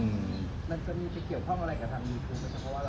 มันก็มีที่เกี่ยวข้องอะไรกับทางยูทูป